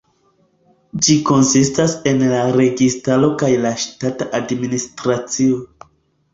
Ĝi konsistas el la registaro kaj la ŝtata administracio.